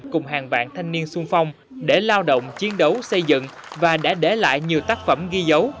cùng hàng vạn thanh niên sung phong để lao động chiến đấu xây dựng và đã để lại nhiều tác phẩm ghi dấu